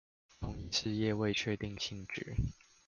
同一事業未確定性質